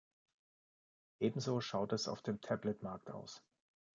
Ebenso schaut es auf dem Tablet-Markt aus.